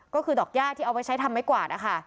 ก็คือดอกยากที่เอาไปใช้ทำให้กวาดอะค่ะ